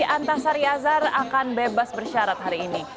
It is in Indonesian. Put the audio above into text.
antasari azhar akan bebas bersyarat hari ini